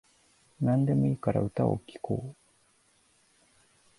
なんでもいいから歌を聴こう